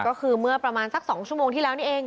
ก็คือเมื่อประมาณสัก๒ชั่วโมงที่แล้วนี่เอง